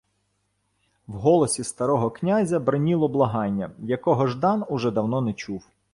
В голосі старого князя бриніло благання, якого Ждан уже давно не чув.